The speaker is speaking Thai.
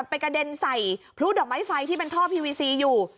มันไปกระเด็นใส่พูดดอกไม้ไฟที่เป็นท่อคีย์ความสุขอยู่